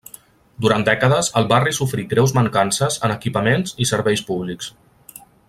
Durant dècades el barri sofrí greus mancances en equipaments i serveis públics.